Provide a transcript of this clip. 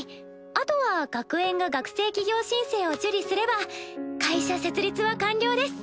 あとは学園が学生起業申請を受理すれば会社設立は完了です。